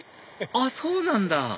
あっそうなんだ